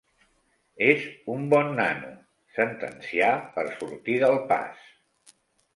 És un bon nano —sentencià per sortir del pas—.